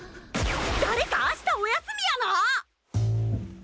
だれかあしたお休みやな！？